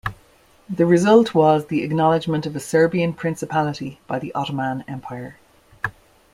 The result was the acknowledgment of a Serbian Principality by the Ottoman Empire.